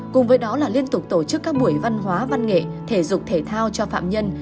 cùng với đó là liên tục tổ chức các buổi văn hóa văn nghệ thể dục thể thao cho phạm nhân